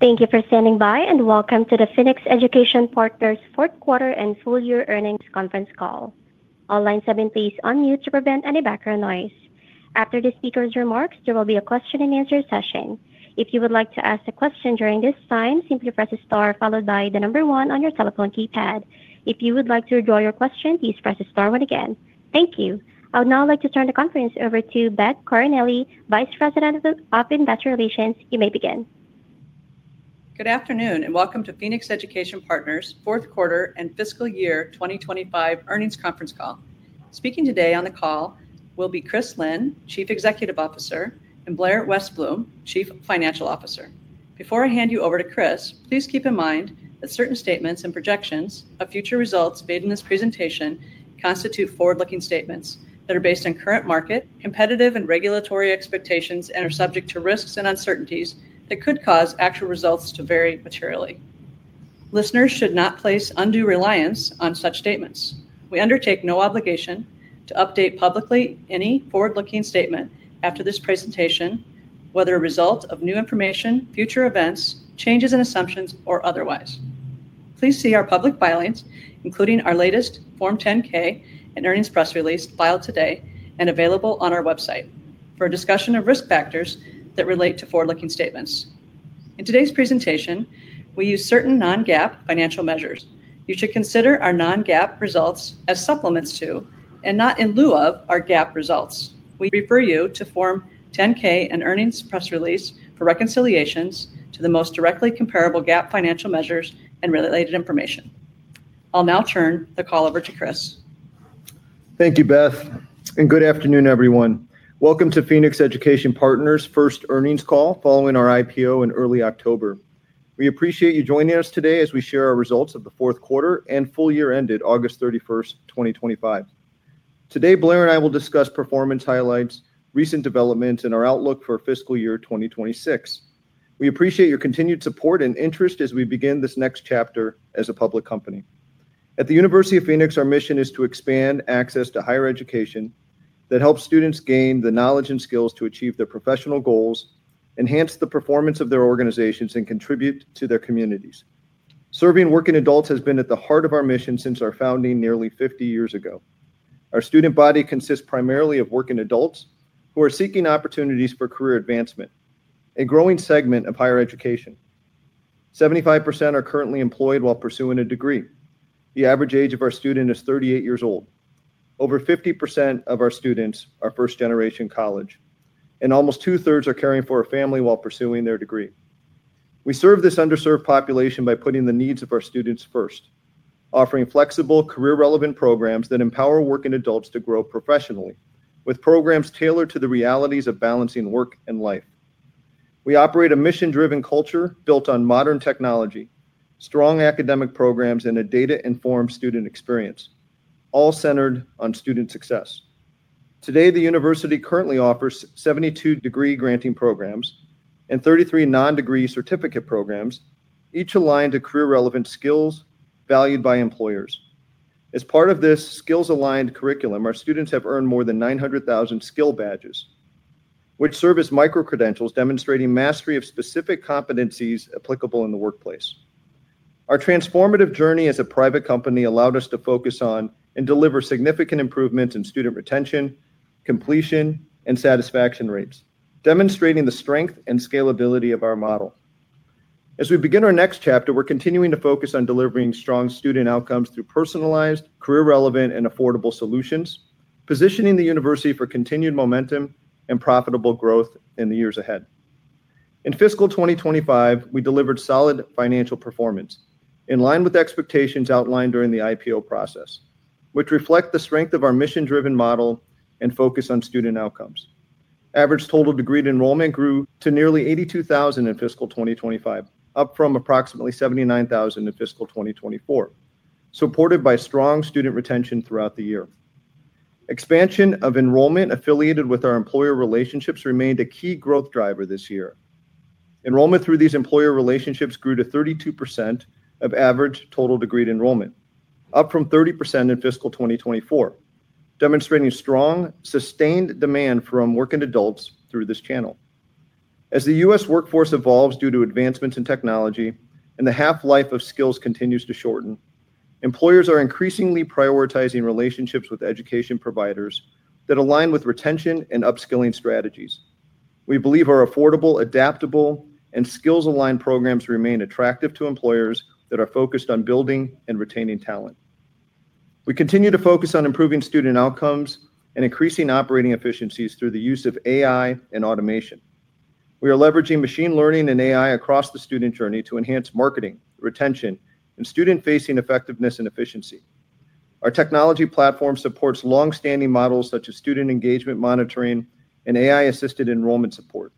Thank you for standing by and welcome to the Phoenix Education Partners fourth quarter and full year earnings conference call. All lines have been placed on mute to prevent any background noise. After the speaker's remarks, there will be a question-and-answer session. If you would like to ask a question during this time, simply press the star followed by the number one on your telephone keypad. If you would like to withdraw your question, please press the star one again. Thank you. I would now like to turn the conference over to Beth Coronelli, Vice President of Investor Relations. You may begin. Good afternoon and welcome to Phoenix Education Partners fourth quarter and fiscal year 2025 earnings conference call. Speaking today on the call will be Chris Lynne, Chief Executive Officer, and Blair Westblom, Chief Financial Officer. Before I hand you over to Chris, please keep in mind that certain statements and projections of future results made in this presentation constitute forward-looking statements that are based on current market, competitive, and regulatory expectations and are subject to risks and uncertainties that could cause actual results to vary materially. Listeners should not place undue reliance on such statements. We undertake no obligation to update publicly any forward-looking statement after this presentation, whether a result of new information, future events, changes in assumptions, or otherwise. Please see our public filings, including our latest Form 10-K and Earnings Press Release filed today and available on our website for a discussion of risk factors that relate to forward-looking statements. In today's presentation, we use certain non-GAAP financial measures. You should consider our non-GAAP results as supplements to, and not in lieu of, our GAAP results. We refer you to Form 10-K and Earnings Press Release for reconciliations to the most directly comparable GAAP financial measures and related information. I'll now turn the call over to Chris. Thank you, Beth, and good afternoon, everyone. Welcome to Phoenix Education Partners' first earnings call following our IPO in early October. We appreciate you joining us today as we share our results of the fourth quarter and full year ended August 31st, 2025. Today, Blair and I will discuss performance highlights, recent developments, and our outlook for fiscal year 2026. We appreciate your continued support and interest as we begin this next chapter as a public company. At the University of Phoenix, our mission is to expand access to higher education that helps students gain the knowledge and skills to achieve their professional goals, enhance the performance of their organizations, and contribute to their communities. Serving working adults has been at the heart of our mission since our founding nearly 50 years ago. Our student body consists primarily of working adults who are seeking opportunities for career advancement, a growing segment of higher education. 75% are currently employed while pursuing a degree. The average age of our student is 38 years old. Over 50% of our students are first-generation college, and almost 2/3 are caring for a family while pursuing their degree. We serve this underserved population by putting the needs of our students first, offering flexible, career-relevant programs that empower working adults to grow professionally, with programs tailored to the realities of balancing work and life. We operate a mission-driven culture built on modern technology, strong academic programs, and a data-informed student experience, all centered on student success. Today, the university currently offers 72 degree-granting programs and 33 non-degree certificate programs, each aligned to career-relevant skills valued by employers. As part of this skills-aligned curriculum, our students have earned more than 900,000 Skill Badges, which serve as micro-credentials demonstrating mastery of specific competencies applicable in the workplace. Our transformative journey as a private company allowed us to focus on and deliver significant improvements in student retention, completion, and satisfaction rates, demonstrating the strength and scalability of our model. As we begin our next chapter, we're continuing to focus on delivering strong student outcomes through personalized, career-relevant, and affordable solutions, positioning the university for continued momentum and profitable growth in the years ahead. In fiscal 2025, we delivered solid financial performance in line with expectations outlined during the IPO process, which reflect the strength of our mission-driven model and focus on student outcomes. Average total degree enrollment grew to nearly 82,000 in fiscal 2025, up from approximately 79,000 in fiscal 2024, supported by strong student retention throughout the year. Expansion of enrollment affiliated with our employer relationships remained a key growth driver this year. Enrollment through these employer relationships grew to 32% of average total degree enrollment, up from 30% in fiscal 2024, demonstrating strong, sustained demand from working adults through this channel. As the U.S. workforce evolves due to advancements in technology and the half-life of skills continues to shorten, employers are increasingly prioritizing relationships with education providers that align with retention and upskilling strategies. We believe our affordable, adaptable, and skills-aligned programs remain attractive to employers that are focused on building and retaining talent. We continue to focus on improving student outcomes and increasing operating efficiencies through the use of AI and automation. We are leveraging machine learning and AI across the student journey to enhance marketing, retention, and student-facing effectiveness and efficiency. Our technology platform supports long-standing models such as student engagement monitoring and AI-assisted enrollment support,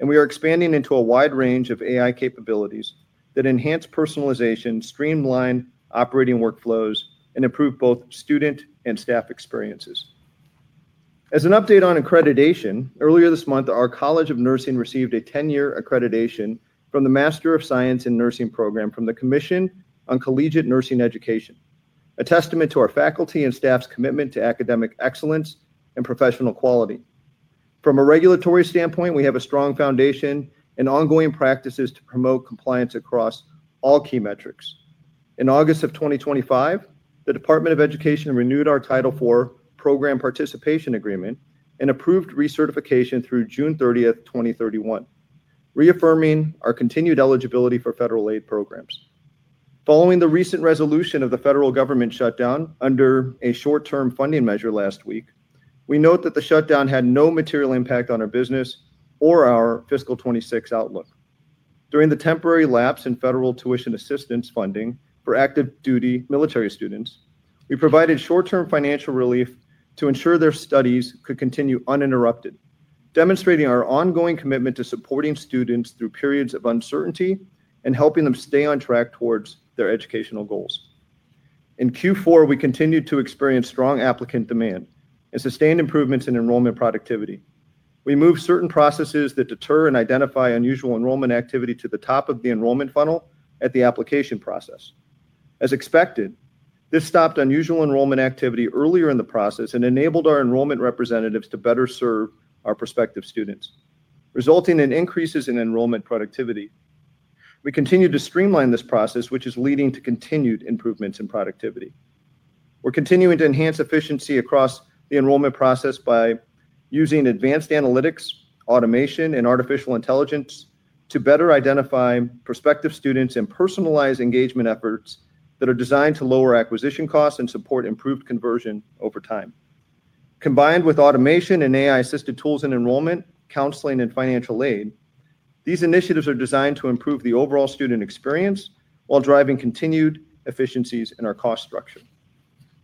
and we are expanding into a wide range of AI capabilities that enhance personalization, streamline operating workflows, and improve both student and staff experiences. As an update on accreditation, earlier this month, our College of Nursing received a 10-year accreditation for the Master of Science in Nursing program from the Commission on Collegiate Nursing Education, a testament to our faculty and staff's commitment to academic excellence and professional quality. From a regulatory standpoint, we have a strong foundation and ongoing practices to promote compliance across all key metrics. In August of 2025, the Department of Education renewed our Title IV Program Participation Agreement and approved recertification through June 30th, 2031, reaffirming our continued eligibility for federal aid programs. Following the recent resolution of the federal government shutdown under a short-term funding measure last week, we note that the shutdown had no material impact on our business or our fiscal 2026 outlook. During the temporary lapse in federal tuition assistance funding for active duty military students, we provided short-term financial relief to ensure their studies could continue uninterrupted, demonstrating our ongoing commitment to supporting students through periods of uncertainty and helping them stay on track towards their educational goals. In Q4, we continued to experience strong applicant demand and sustained improvements in enrollment productivity. We moved certain processes that deter and identify unusual enrollment activity to the top of the enrollment funnel at the application process. As expected, this stopped unusual enrollment activity earlier in the process and enabled our enrollment representatives to better serve our prospective students, resulting in increases in enrollment productivity. We continue to streamline this process, which is leading to continued improvements in productivity. We're continuing to enhance efficiency across the enrollment process by using advanced analytics, automation, and artificial intelligence to better identify prospective students and personalize engagement efforts that are designed to lower acquisition costs and support improved conversion over time. Combined with automation and AI-assisted tools in enrollment, counseling, and financial aid, these initiatives are designed to improve the overall student experience while driving continued efficiencies in our cost structure.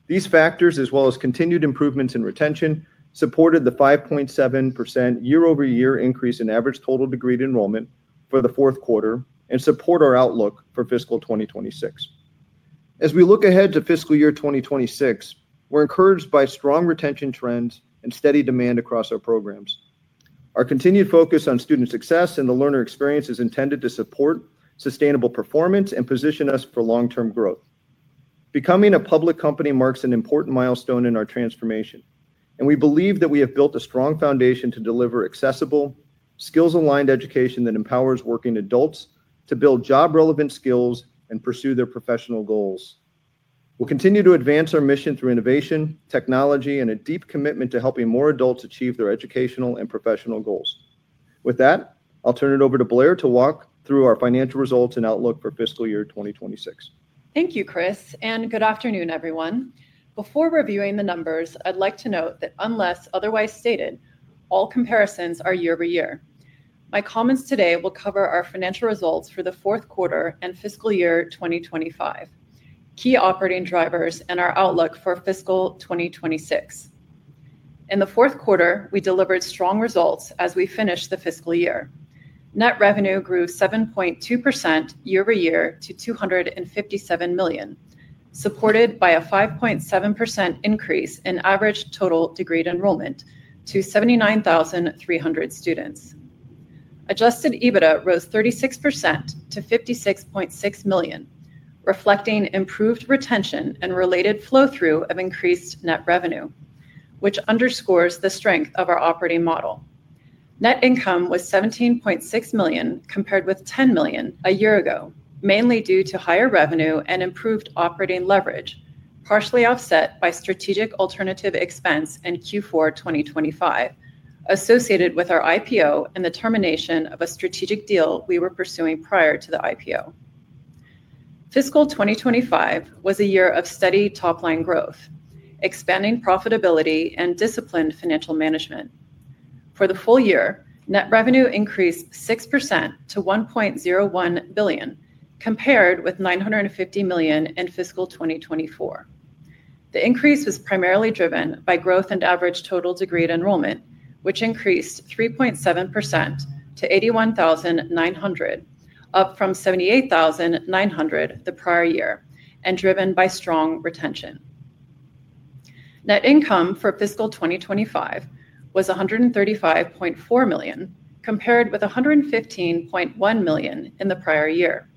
These factors, as well as continued improvements in retention, supported the 5.7% year-over-year increase in average total degree enrollment for the fourth quarter and support our outlook for fiscal 2026. As we look ahead to fiscal year 2026, we're encouraged by strong retention trends and steady demand across our programs. Our continued focus on student success and the learner experience is intended to support sustainable performance and position us for long-term growth. Becoming a public company marks an important milestone in our transformation, and we believe that we have built a strong foundation to deliver accessible, skills-aligned education that empowers working adults to build job-relevant skills and pursue their professional goals. We'll continue to advance our mission through innovation, technology, and a deep commitment to helping more adults achieve their educational and professional goals. With that, I'll turn it over to Blair to walk through our financial results and outlook for fiscal year 2026. Thank you, Chris, and good afternoon, everyone. Before reviewing the numbers, I'd like to note that unless otherwise stated, all comparisons are year-over-year. My comments today will cover our financial results for the fourth quarter and fiscal year 2025, key operating drivers, and our outlook for fiscal 2026. In the fourth quarter, we delivered strong results as we finished the fiscal year. Net revenue grew 7.2% year-over-year to $257 million, supported by a 5.7% increase in average total degree enrollment to 79,300 students. Adjusted EBITDA rose 36% to $56.6 million, reflecting improved retention and related flow-through of increased net revenue, which underscores the strength of our operating model. Net income was $17.6 million compared with $10 million a year ago, mainly due to higher revenue and improved operating leverage, partially offset by strategic alternative expense in Q4 2025 associated with our IPO and the termination of a strategic deal we were pursuing prior to the IPO. Fiscal 2025 was a year of steady top-line growth, expanding profitability and disciplined financial management. For the full year, net revenue increased 6% to $1.01 billion, compared with $950 million in fiscal 2024. The increase was primarily driven by growth in average total degree enrollment, which increased 3.7% to 81,900, up from 78,900 the prior year, and driven by strong retention. Net income for fiscal 2025 was $135.4 million, compared with $115.1 million in the prior year.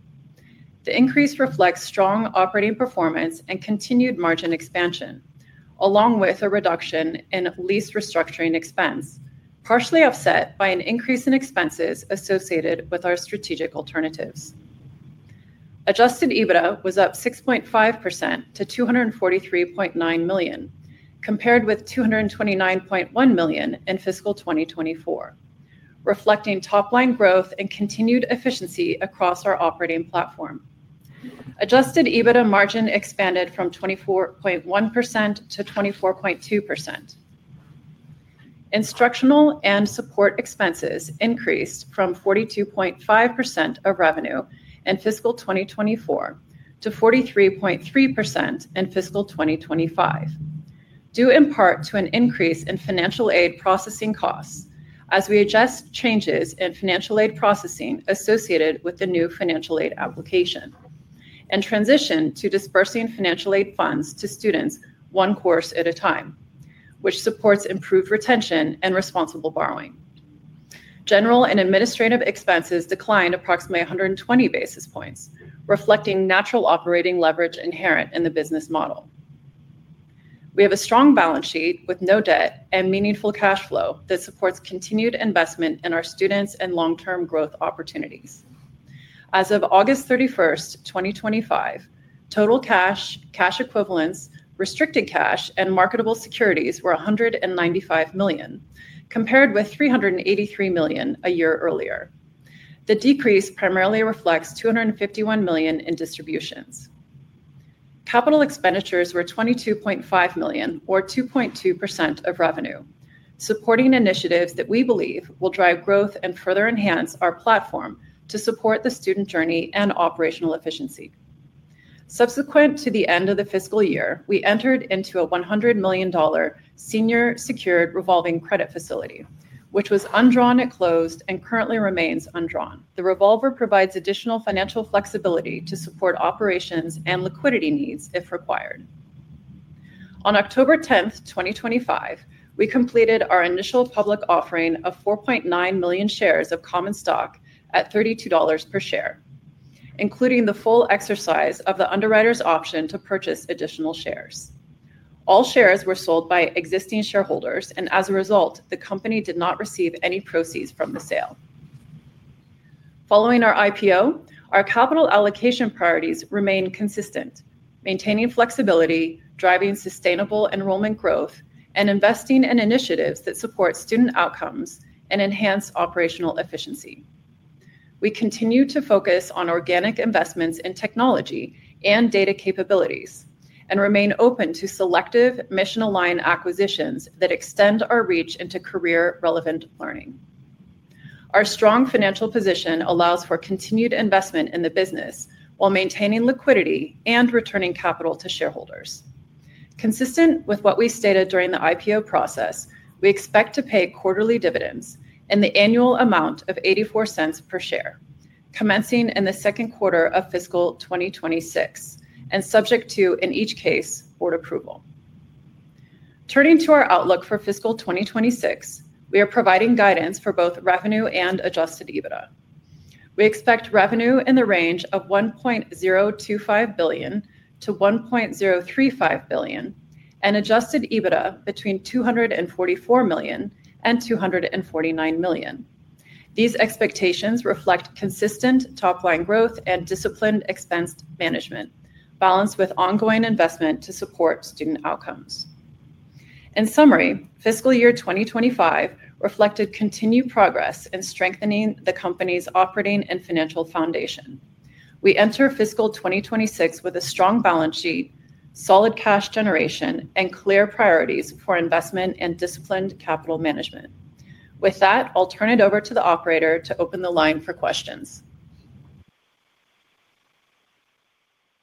The increase reflects strong operating performance and continued margin expansion, along with a reduction in lease restructuring expense, partially offset by an increase in expenses associated with our strategic alternatives. Adjusted EBITDA was up 6.5% to $243.9 million, compared with $229.1 million in fiscal 2024, reflecting top-line growth and continued efficiency across our operating platform. Adjusted EBITDA margin expanded from 24.1% to 24.2%. Instructional and support expenses increased from 42.5% of revenue in fiscal 2024 to 43.3% in fiscal 2025, due in part to an increase in financial aid processing costs as we adjust changes in financial aid processing associated with the new financial aid application and transition to dispersing financial aid funds to students one course at a time, which supports improved retention and responsible borrowing. General and administrative expenses declined approximately 120 basis points, reflecting natural operating leverage inherent in the business model. We have a strong balance sheet with no debt and meaningful cash flow that supports continued investment in our students and long-term growth opportunities. As of August 31st, 2025, total cash, cash equivalents, restricted cash, and marketable securities were $195 million, compared with $383 million a year earlier. The decrease primarily reflects $251 million in distributions. Capital expenditures were $22.5 million, or 2.2% of revenue, supporting initiatives that we believe will drive growth and further enhance our platform to support the student journey and operational efficiency. Subsequent to the end of the fiscal year, we entered into a $100 million senior secured revolving credit facility, which was undrawn at close and currently remains undrawn. The revolver provides additional financial flexibility to support operations and liquidity needs if required. On October 10th, 2025, we completed our initial public offering of 4.9 million shares of Common Stock at $32 per share, including the full exercise of the underwriter's option to purchase additional shares. All shares were sold by existing shareholders, and as a result, the company did not receive any proceeds from the sale. Following our IPO, our capital allocation priorities remain consistent, maintaining flexibility, driving sustainable enrollment growth, and investing in initiatives that support student outcomes and enhance operational efficiency. We continue to focus on organic investments in technology and data capabilities and remain open to selective mission-aligned acquisitions that extend our reach into career-relevant learning. Our strong financial position allows for continued investment in the business while maintaining liquidity and returning capital to shareholders. Consistent with what we stated during the IPO process, we expect to pay quarterly dividends in the annual amount of $0.84 per share, commencing in the second quarter of fiscal 2026 and subject to, in each case, board approval. Turning to our outlook for fiscal 2026, we are providing guidance for both revenue and adjusted EBITDA. We expect revenue in the range of $1.025 billion-$1.035 billion and adjusted EBITDA between $244 million and $249 million. These expectations reflect consistent top-line growth and disciplined expense management, balanced with ongoing investment to support student outcomes. In summary, fiscal year 2025 reflected continued progress in strengthening the company's operating and financial foundation. We enter fiscal 2026 with a strong balance sheet, solid cash generation, and clear priorities for investment and disciplined capital management. With that, I'll turn it over to the operator to open the line for questions.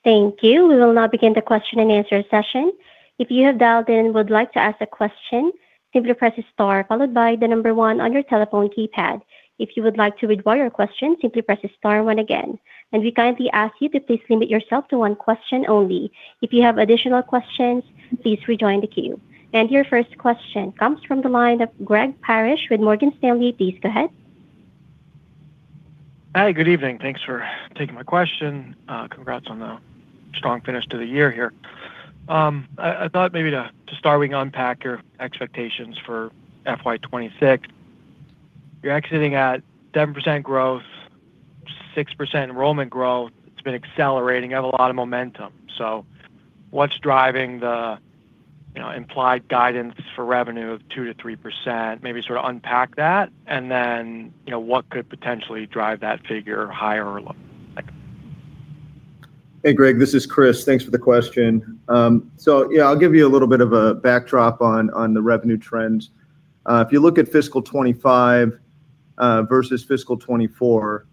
Thank you. We will now begin the question and answer session. If you have dialed in, would like to ask a question, simply press the star followed by the number one on your telephone keypad. If you would like to read your question, simply press the star one again. We kindly ask you to please limit yourself to one question only. If you have additional questions, please rejoin the queue. Your first question comes from the line of Greg Parrish with Morgan Stanley. Please go ahead. Hi, good evening. Thanks for taking my question. Congrats on the strong finish to the year here. I thought maybe to start, we can unpack your expectations for FY 2026. You're exiting at 7% growth, 6% enrollment growth. It's been accelerating. You have a lot of momentum. What's driving the implied guidance for revenue of 2%-3%? Maybe sort of unpack that. What could potentially drive that figure higher or lower? Hey, Greg, this is Chris. Thanks for the question. Yeah, I'll give you a little bit of a backdrop on the revenue trends. If you look at fiscal 2025 versus fiscal 2024,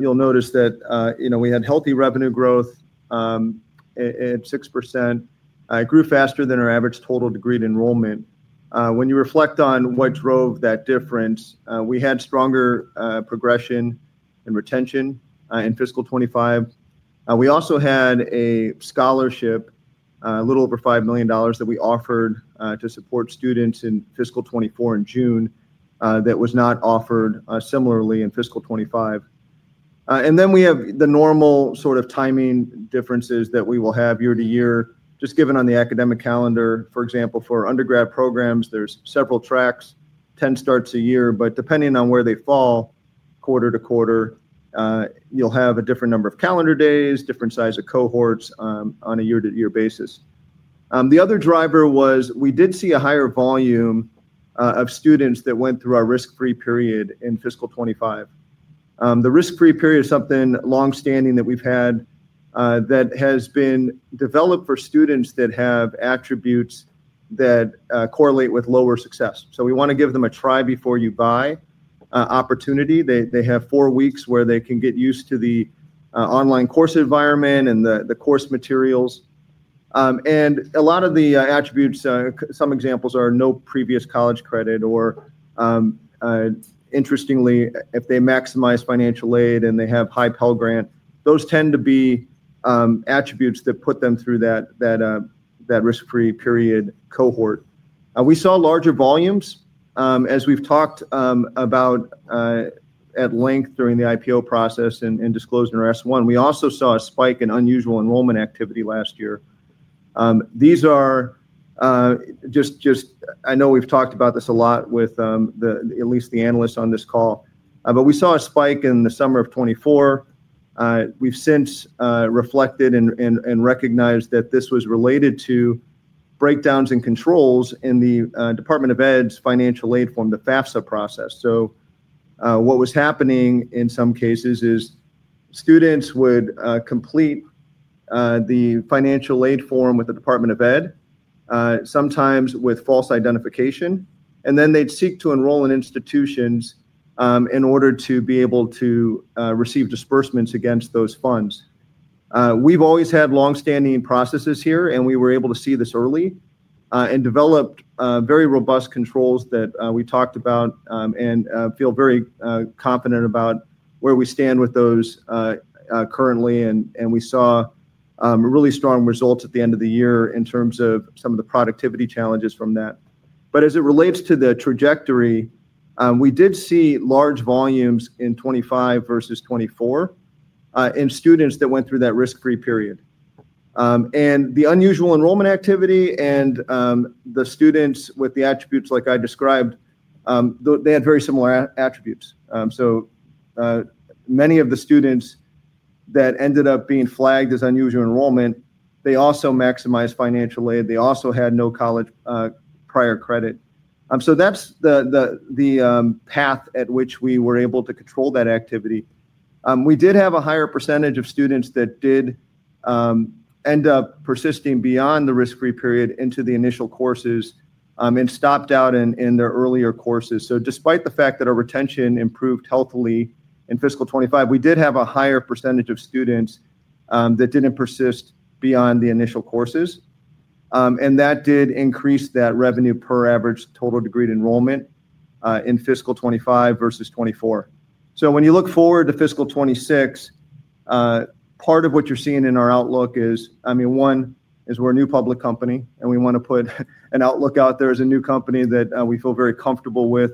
you'll notice that we had healthy revenue growth at 6%. It grew faster than our average total degree enrollment. When you reflect on what drove that difference, we had stronger progression and retention in fiscal 2025. We also had a scholarship, a little over $5 million that we offered to support students in fiscal 2024 in June that was not offered similarly in fiscal 2025. We have the normal sort of timing differences that we will have year-to-year, just given on the academic calendar. For example, for undergrad programs, there's several tracks. 10 starts a year. Depending on where they fall, quarter-to-quarter, you'll have a different number of calendar days, different size of cohorts on a year-to-year basis. The other driver was we did see a higher volume of students that went through our risk-free period in fiscal 2025. The risk-free period is something longstanding that we've had that has been developed for students that have attributes that correlate with lower success. We want to give them a try-before-you-buy opportunity. They have four weeks where they can get used to the online course environment and the course materials. A lot of the attributes, some examples are no previous college credit or, interestingly, if they maximize financial aid and they have high Pell Grant. Those tend to be attributes that put them through that risk-free period cohort. We saw larger volumes as we've talked about at length during the IPO process and disclosed in our S1. We also saw a spike in unusual enrollment activity last year. These are just, I know we've talked about this a lot with at least the analysts on this call, but we saw a spike in the summer of 2024. We've since reflected and recognized that this was related to breakdowns and controls in the Department of Education's financial aid form, the FAFSA process. What was happening in some cases is students would complete the financial aid form with the Department of Education, sometimes with false identification, and then they'd seek to enroll in institutions in order to be able to receive disbursements against those funds. We've always had longstanding processes here, and we were able to see this early and developed very robust controls that we talked about and feel very confident about where we stand with those currently. We saw really strong results at the end of the year in terms of some of the productivity challenges from that. As it relates to the trajectory, we did see large volumes in 2025 versus 2024 in students that went through that risk-free period. The unusual enrollment activity and the students with the attributes like I described, they had very similar attributes. Many of the students that ended up being flagged as unusual enrollment also maximized financial aid. They also had no college prior credit. That's the path at which we were able to control that activity. We did have a higher percentage of students that did end up persisting beyond the risk-free period into the initial courses and stopped out in their earlier courses. Despite the fact that our retention improved healthily in fiscal 2025, we did have a higher percentage of students that did not persist beyond the initial courses. That did increase that revenue per average total degree enrollment in fiscal 2025 versus 2024. When you look forward to fiscal 2026, part of what you are seeing in our outlook is, I mean, one is we are a new public company, and we want to put an outlook out there as a new company that we feel very comfortable with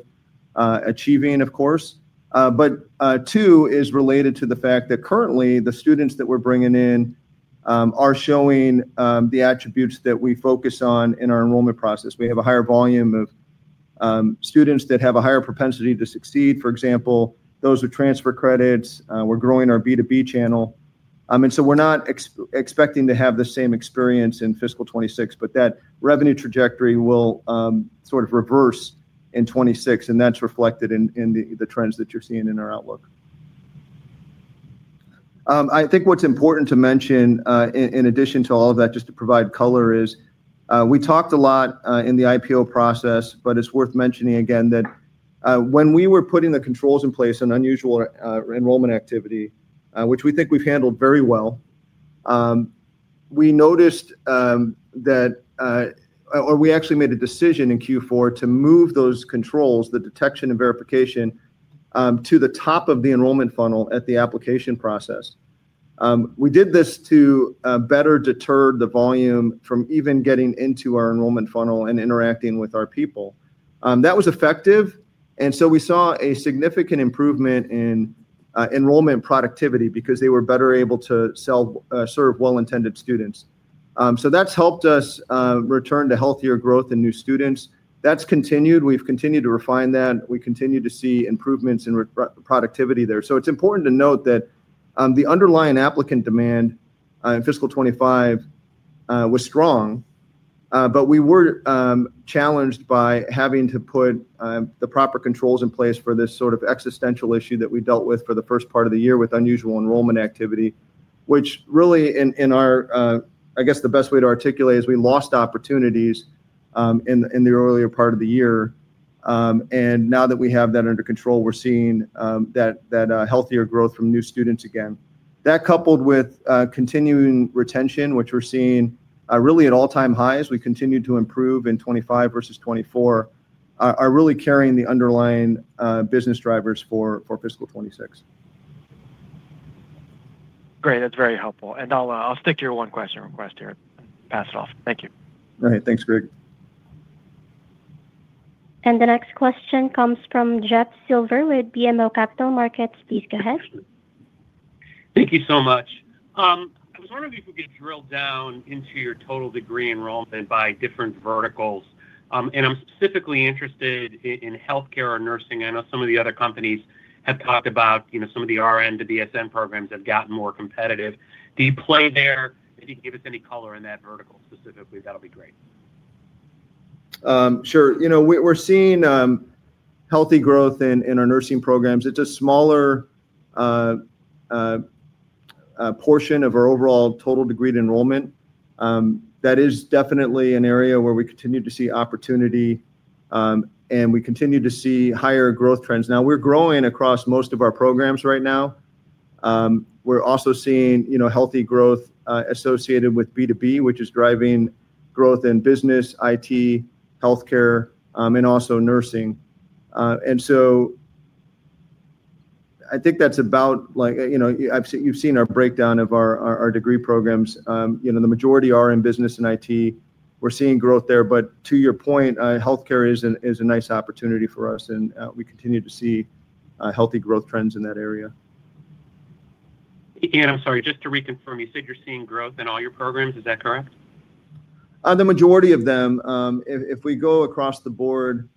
achieving, of course. Two is related to the fact that currently the students that we are bringing in are showing the attributes that we focus on in our enrollment process. We have a higher volume of students that have a higher propensity to succeed. For example, those with transfer credits. We are growing our B2B channel. We are not expecting to have the same experience in fiscal 2026, but that revenue trajectory will sort of reverse in 2026, and that is reflected in the trends that you are seeing in our outlook. I think what is important to mention in addition to all of that, just to provide color, is we talked a lot in the IPO process, but it is worth mentioning again that when we were putting the controls in place on unusual enrollment activity, which we think we have handled very well, we noticed that, or we actually made a decision in Q4 to move those controls, the detection and verification, to the top of the enrollment funnel at the application process. We did this to better deter the volume from even getting into our enrollment funnel and interacting with our people. That was effective. We saw a significant improvement in enrollment productivity because they were better able to serve well-intended students. That has helped us return to healthier growth in new students. That has continued. We have continued to refine that. We continue to see improvements in productivity there. It is important to note that the underlying applicant demand in fiscal 2025 was strong, but we were challenged by having to put the proper controls in place for this sort of existential issue that we dealt with for the first part of the year with unusual enrollment activity, which really, in our, I guess the best way to articulate it is we lost opportunities in the earlier part of the year. Now that we have that under control, we're seeing that healthier growth from new students again. That, coupled with continuing retention, which we're seeing really at all-time highs, we continue to improve in 2025 versus 2024, are really carrying the underlying business drivers for fiscal 2026. Great. That's very helpful. I will stick to your one question request here and pass it off. Thank you. All right. Thanks, Greg. The next question comes from Jeff Silber with BMO Capital Markets. Please go ahead. Thank you so much. I was wondering if we could drill down into your total degree enrollment by different verticals. I am specifically interested in healthcare or nursing. I know some of the other companies have talked about some of the RN to BSN programs have gotten more competitive. Do you play there? If you can give us any color in that vertical specifically, that will be great. Sure. We're seeing healthy growth in our nursing programs. It's a smaller portion of our overall total degree enrollment. That is definitely an area where we continue to see opportunity and we continue to see higher growth trends. Now, we're growing across most of our programs right now. We're also seeing healthy growth associated with B2B, which is driving growth in business, IT, healthcare, and also nursing. I think that's about you've seen our breakdown of our degree programs. The majority are in business and IT. We're seeing growth there. To your point, healthcare is a nice opportunity for us, and we continue to see healthy growth trends in that area. I'm sorry, just to reconfirm, you said you're seeing growth in all your programs. Is that correct? The majority of them. If we go across the board,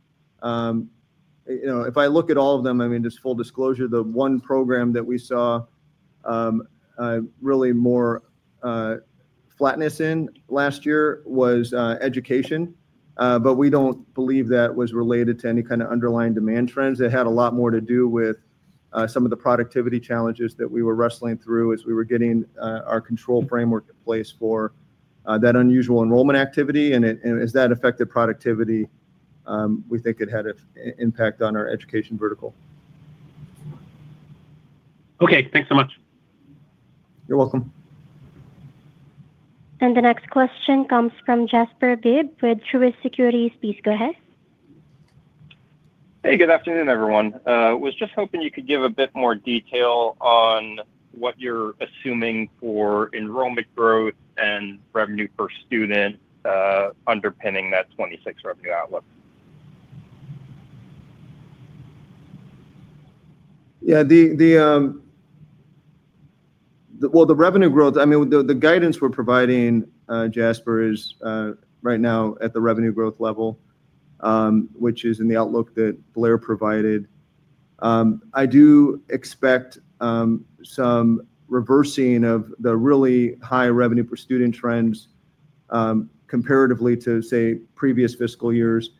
if I look at all of them, I mean, just full disclosure, the one program that we saw really more flatness in last year was education. We do not believe that was related to any kind of underlying demand trends. It had a lot more to do with some of the productivity challenges that we were wrestling through as we were getting our control framework in place for that unusual enrollment activity. As that affected productivity, we think it had an impact on our education vertical. Okay. Thanks so much. You're welcome. The next question comes from Jasper Byrn with Truist Securities. Please go ahead. Hey, good afternoon, everyone. I was just hoping you could give a bit more detail on what you're assuming for enrollment growth and revenue per student underpinning that 2026 revenue outlook. Yeah. The revenue growth, I mean, the guidance we're providing, Jasper, is right now at the revenue growth level, which is in the outlook that Blair provided. I do expect some reversing of the really high revenue per student trends comparatively to, say, previous fiscal years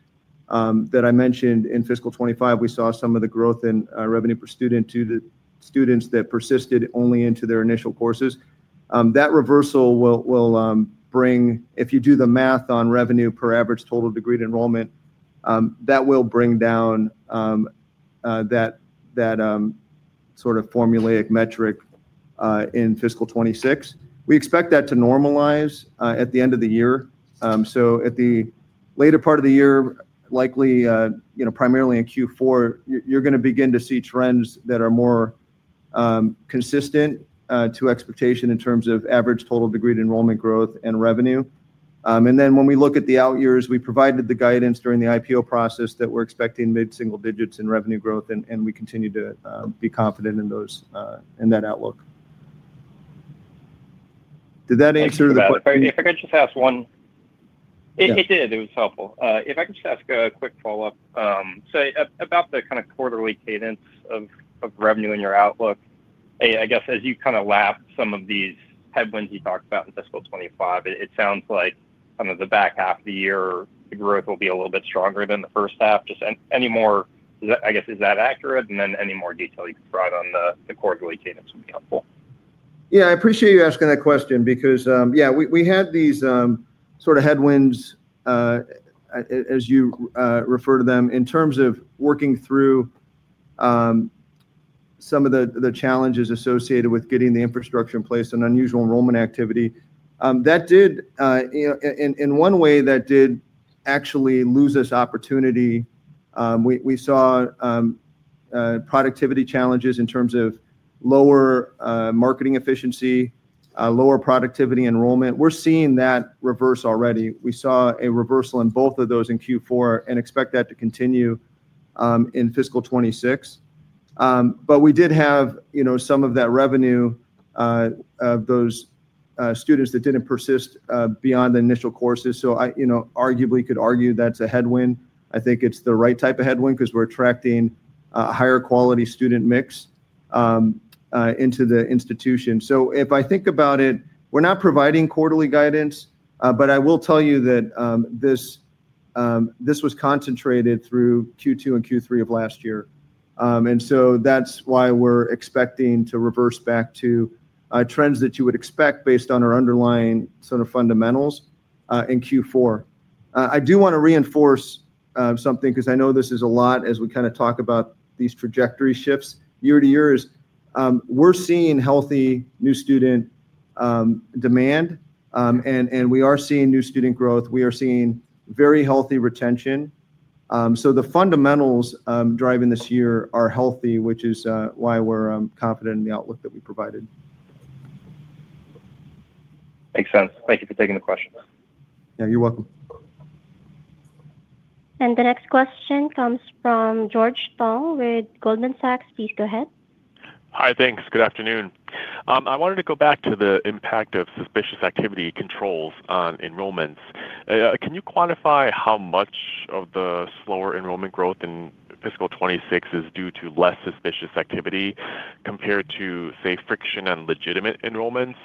that I mentioned. In fiscal 2025, we saw some of the growth in revenue per student to the students that persisted only into their initial courses. That reversal will bring, if you do the math on revenue per average total degree enrollment, that will bring down that sort of formulaic metric in fiscal 2026. We expect that to normalize at the end of the year. At the later part of the year, likely primarily in Q4, you're going to begin to see trends that are more consistent to expectation in terms of average total degree enrollment growth and revenue. When we look at the out years, we provided the guidance during the IPO process that we're expecting mid-single digits in revenue growth, and we continue to be confident in that outlook. Did that answer the question? If I could just ask one? It did. It was helpful. If I could just ask a quick follow-up. About the kind of quarterly cadence of revenue in your outlook, I guess as you kind of lapped some of these headwinds you talked about in fiscal 2025, it sounds like kind of the back half of the year, the growth will be a little bit stronger than the first half. Just any more, I guess, is that accurate? Any more detail you could provide on the quarterly cadence would be helpful. Yeah. I appreciate you asking that question because, yeah, we had these sort of headwinds, as you refer to them, in terms of working through some of the challenges associated with getting the infrastructure in place on unusual enrollment activity. In one way, that did actually lose us opportunity. We saw productivity challenges in terms of lower marketing efficiency, lower productivity enrollment. We are seeing that reverse already. We saw a reversal in both of those in Q4 and expect that to continue in fiscal 2026. We did have some of that revenue of those students that did not persist beyond the initial courses. You could argue that is a headwind. I think it is the right type of headwind because we are attracting a higher quality student mix into the institution. If I think about it, we're not providing quarterly guidance, but I will tell you that this was concentrated through Q2 and Q3 of last year. That's why we're expecting to reverse back to trends that you would expect based on our underlying sort of fundamentals in Q4. I do want to reinforce something because I know this is a lot as we kind of talk about these trajectory shifts year-to-year. We're seeing healthy new student demand, and we are seeing new student growth. We are seeing very healthy retention. The fundamentals driving this year are healthy, which is why we're confident in the outlook that we provided. Makes sense. Thank you for taking the question. Yeah. You're welcome. The next question comes from George Thog with Goldman Sachs. Please go ahead. Hi. Thanks. Good afternoon. I wanted to go back to the impact of suspicious activity controls on enrollments. Can you quantify how much of the slower enrollment growth in fiscal 2026 is due to less suspicious activity compared to, say, friction and legitimate enrollments?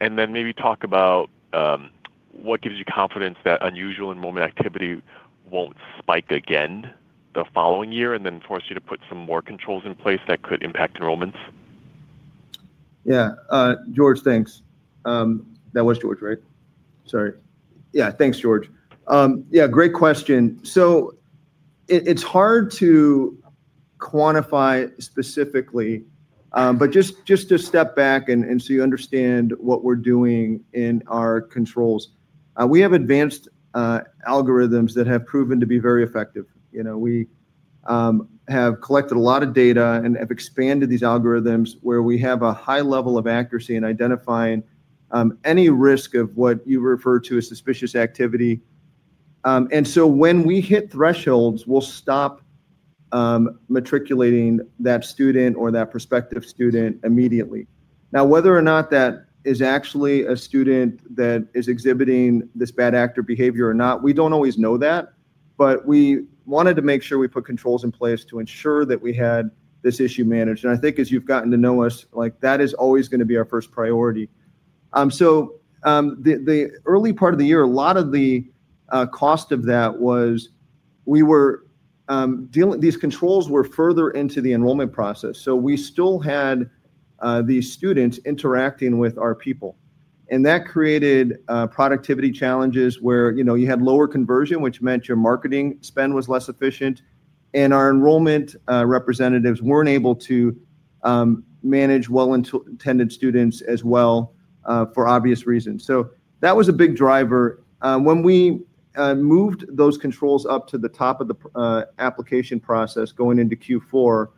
Maybe talk about what gives you confidence that unusual enrollment activity won't spike again the following year and then force you to put some more controls in place that could impact enrollments? Yeah. George, thanks. That was George, right? Sorry. Yeah. Thanks, George. Yeah. Great question. It is hard to quantify specifically, but just to step back and so you understand what we are doing in our controls. We have advanced algorithms that have proven to be very effective. We have collected a lot of data and have expanded these algorithms where we have a high level of accuracy in identifying any risk of what you refer to as suspicious activity. When we hit thresholds, we will stop matriculating that student or that prospective student immediately. Now, whether or not that is actually a student that is exhibiting this bad actor behavior or not, we do not always know that. We wanted to make sure we put controls in place to ensure that we had this issue managed. I think as you've gotten to know us, that is always going to be our first priority. The early part of the year, a lot of the cost of that was we were these controls were further into the enrollment process. We still had these students interacting with our people. That created productivity challenges where you had lower conversion, which meant your marketing spend was less efficient. Our enrollment representatives weren't able to manage well-intended students as well for obvious reasons. That was a big driver. When we moved those controls up to the top of the application process going into Q4,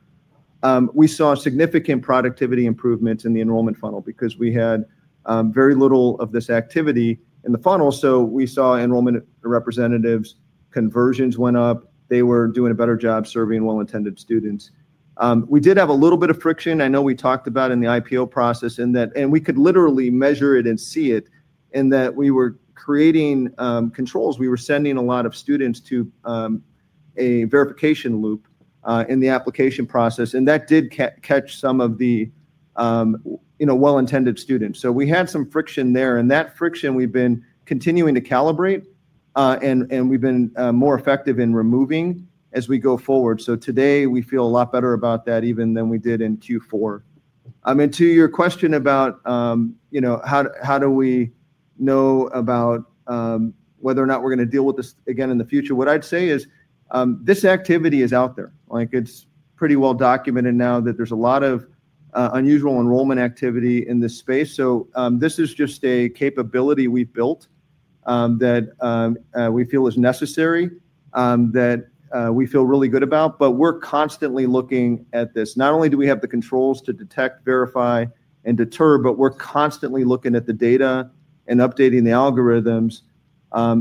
we saw significant productivity improvements in the enrollment funnel because we had very little of this activity in the funnel. We saw enrollment representatives' conversions went up. They were doing a better job serving well-intended students. We did have a little bit of friction. I know we talked about in the IPO process, and we could literally measure it and see it in that we were creating controls. We were sending a lot of students to a verification loop in the application process. That did catch some of the well-intended students. We had some friction there. That friction, we've been continuing to calibrate, and we've been more effective in removing as we go forward. Today, we feel a lot better about that even than we did in Q4. To your question about how do we know about whether or not we're going to deal with this again in the future, what I'd say is this activity is out there. It's pretty well documented now that there's a lot of unusual enrollment activity in this space. This is just a capability we've built that we feel is necessary, that we feel really good about. We're constantly looking at this. Not only do we have the controls to detect, verify, and deter, but we're constantly looking at the data and updating the algorithms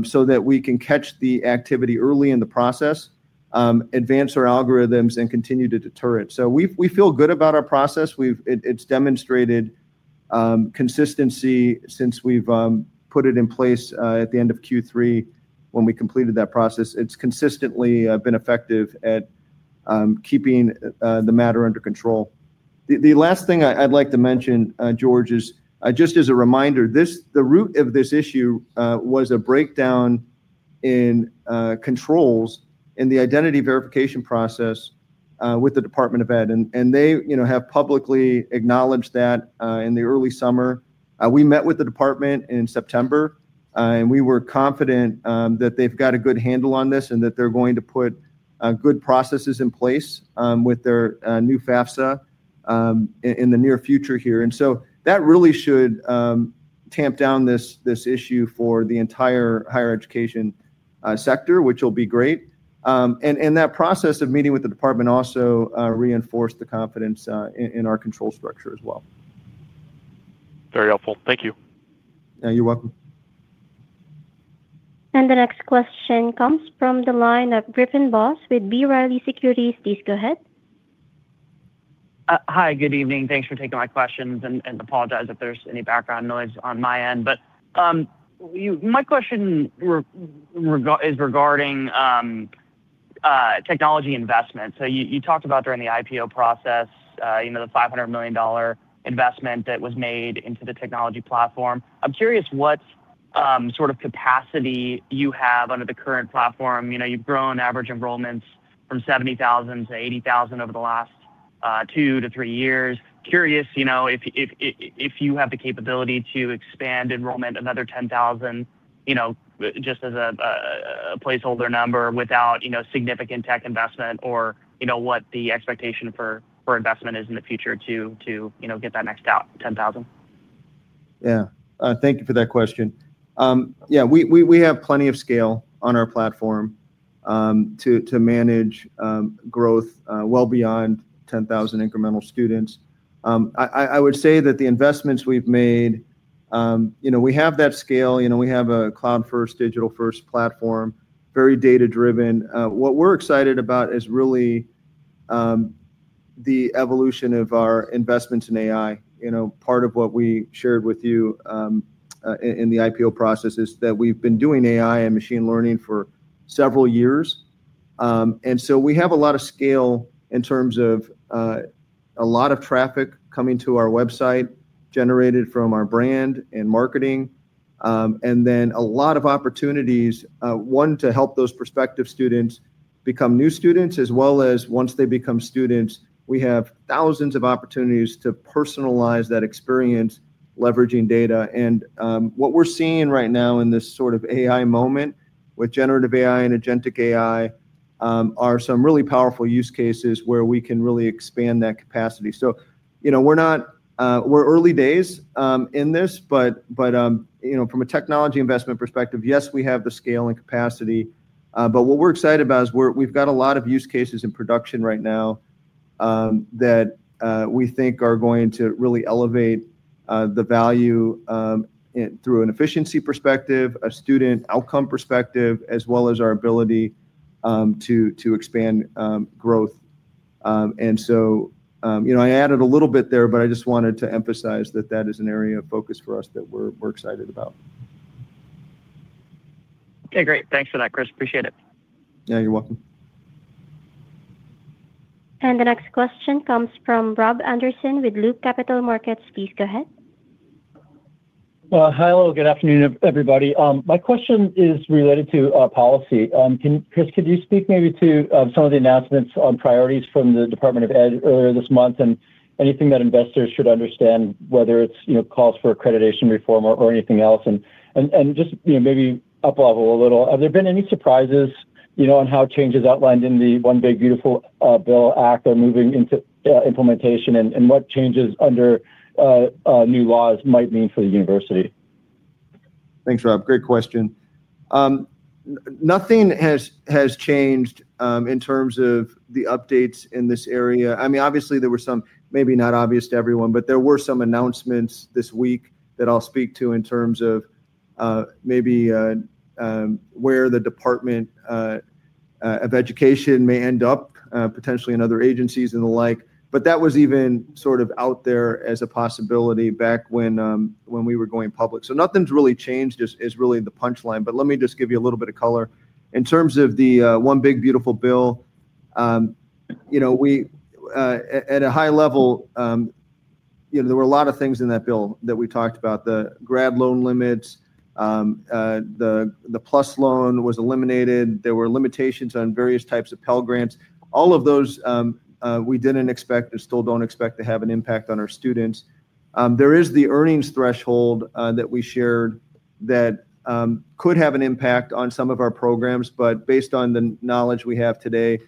so that we can catch the activity early in the process, advance our algorithms, and continue to deter it. We feel good about our process. It's demonstrated consistency since we've put it in place at the end of Q3 when we completed that process. It's consistently been effective at keeping the matter under control. The last thing I'd like to mention, George, is just as a reminder, the root of this issue was a breakdown in controls in the identity verification process with the Department of Ed. They have publicly acknowledged that in the early summer. We met with the Department in September, and we were confident that they've got a good handle on this and that they're going to put good processes in place with their new FAFSA in the near future here. That really should tamp down this issue for the entire higher education sector, which will be great. That process of meeting with the Department also reinforced the confidence in our control structure as well. Very helpful. Thank you. Yeah. You're welcome. The next question comes from the line of Griffon Voss with Byrne Securities. Please go ahead. Hi. Good evening. Thanks for taking my questions and apologize if there's any background noise on my end. My question is regarding technology investment. You talked about during the IPO process, the $500 million investment that was made into the technology platform. I'm curious what sort of capacity you have under the current platform. You've grown average enrollments from 70,000 to 80,000 over the last two to three years. Curious if you have the capability to expand enrollment another 10,000 just as a placeholder number without significant tech investment or what the expectation for investment is in the future to get that next 10,000. Thank you for that question. Yeah. We have plenty of scale on our platform to manage growth well beyond 10,000 incremental students. I would say that the investments we've made, we have that scale. We have a cloud-first, digital-first platform, very data-driven. What we're excited about is really the evolution of our investments in AI. Part of what we shared with you in the IPO process is that we've been doing AI and machine learning for several years. We have a lot of scale in terms of a lot of traffic coming to our website generated from our brand and marketing, and then a lot of opportunities, one, to help those prospective students become new students, as well as once they become students, we have thousands of opportunities to personalize that experience leveraging data. What we're seeing right now in this sort of AI moment with generative AI and agentic AI are some really powerful use cases where we can really expand that capacity. We're early days in this, but from a technology investment perspective, yes, we have the scale and capacity. What we're excited about is we've got a lot of use cases in production right now that we think are going to really elevate the value through an efficiency perspective, a student outcome perspective, as well as our ability to expand growth. I added a little bit there, but I just wanted to emphasize that that is an area of focus for us that we're excited about. Okay. Great. Thanks for that, Chris. Appreciate it. Yeah. You're welcome. The next question comes from Rob Anderson with Loop Capital Markets. Please go ahead. Hello. Good afternoon, everybody. My question is related to policy. Chris, could you speak maybe to some of the announcements on priorities from the Department of Ed. earlier this month and anything that investors should understand, whether it's calls for accreditation reform or anything else? Just maybe up-level a little, have there been any surprises on how changes outlined in the One Big Beautiful Bill Act are moving into implementation and what changes under new laws might mean for the university? Thanks, Rob. Great question. Nothing has changed in terms of the updates in this area. I mean, obviously, there were some, maybe not obvious to everyone, but there were some announcements this week that I'll speak to in terms of maybe where the Department of Education may end up, potentially in other agencies and the like. That was even sort of out there as a possibility back when we were going public. Nothing's really changed is really the punchline. Let me just give you a little bit of color. In terms of the One Big Beautiful Bill, at a high level, there were a lot of things in that bill that we talked about: the grad loan limits, the plus loan was eliminated, there were limitations on various types of Pell Grants. All of those we didn't expect and still don't expect to have an impact on our students. There is the earnings threshold that we shared that could have an impact on some of our programs. Based on the knowledge we have today,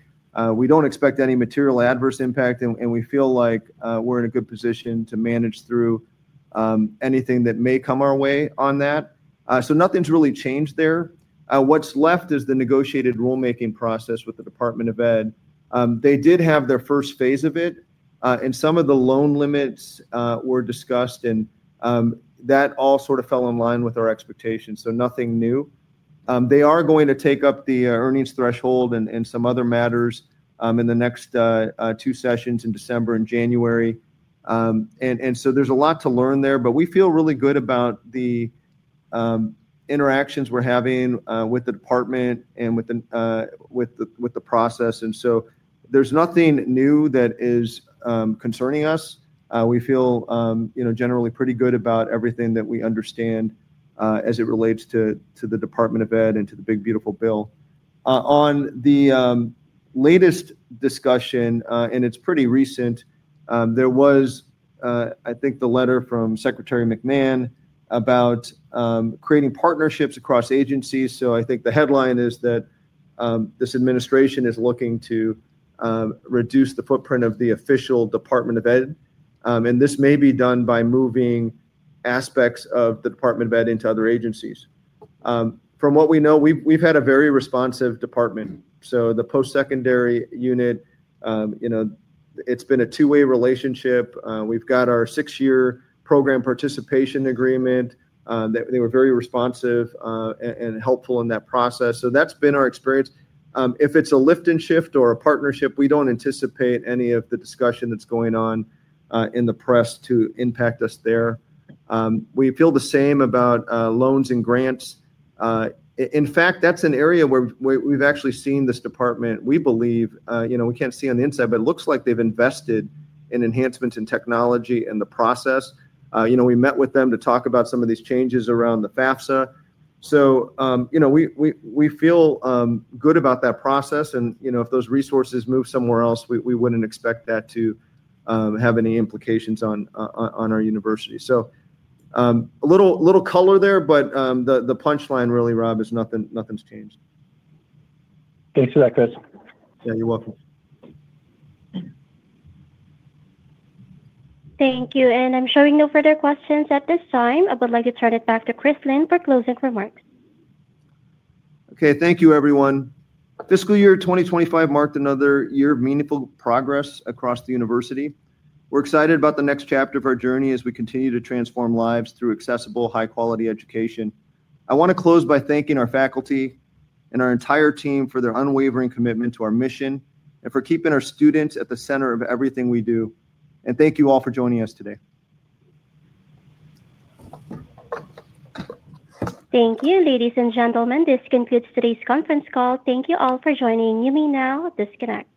we don't expect any material adverse impact, and we feel like we're in a good position to manage through anything that may come our way on that. Nothing's really changed there. What's left is the negotiated rulemaking process with the Department of Ed. They did have their first phase of it, and some of the loan limits were discussed, and that all sort of fell in line with our expectations. Nothing new. They are going to take up the earnings threshold and some other matters in the next two sessions in December and January. There is a lot to learn there. We feel really good about the interactions we're having with the department and with the process. There's nothing new that is concerning us. We feel generally pretty good about everything that we understand as it relates to the Department of Ed. and to the Big Beautiful Bill. On the latest discussion, and it's pretty recent, there was, I think, the letter from Secretary McMahon about creating partnerships across agencies. I think the headline is that this administration is looking to reduce the footprint of the official Department of Ed. This may be done by moving aspects of the Department of Ed. into other agencies. From what we know, we've had a very responsive department. The post-secondary unit, it's been a two-way relationship. We've got our six-year program participation agreement. They were very responsive and helpful in that process. That's been our experience. If it's a lift and shift or a partnership, we don't anticipate any of the discussion that's going on in the press to impact us there. We feel the same about loans and grants. In fact, that's an area where we've actually seen this department, we believe. We can't see on the inside, but it looks like they've invested in enhancements in technology and the process. We met with them to talk about some of these changes around the FAFSA. We feel good about that process. If those resources move somewhere else, we wouldn't expect that to have any implications on our university. A little color there, but the punchline really, Rob, is nothing's changed. Thanks for that, Chris. Yeah. You're welcome. Thank you. I am showing no further questions at this time. I would like to turn it back to Chris Lynne for closing remarks. Okay. Thank you, everyone. Fiscal year 2025 marked another year of meaningful progress across the university. We're excited about the next chapter of our journey as we continue to transform lives through accessible, high-quality education. I want to close by thanking our faculty and our entire team for their unwavering commitment to our mission and for keeping our students at the center of everything we do. Thank you all for joining us today. Thank you, ladies and gentlemen. This concludes today's conference call. Thank you all for joining. You may now disconnect.